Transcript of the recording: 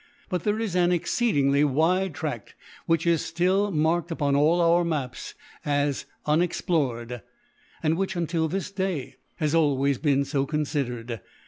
But there is an exceedingly wide tract which is still marked upon all our maps as unexplored, and which, until this day, has always been so considered.